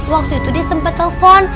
waktu itu dia sempat telepon